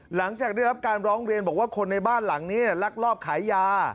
หลังจากได้รับการร้องเรียนบอกว่าคนในบ้านหลังนี้ลักลอบขายยา